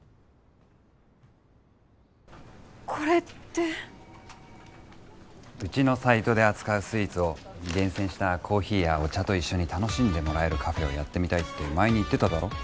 これってうちのサイトで扱うスイーツを厳選したコーヒーやお茶と一緒に楽しんでもらえるカフェをやってみたいって前に言ってただろ